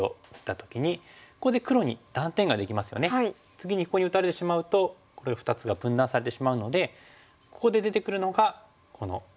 次にここに打たれてしまうとこの２つが分断されてしまうのでここで出てくるのがこのカタツギ。